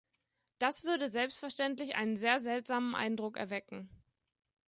Das würde selbstverständlich einen sehr seltsamen Eindruck erwecken.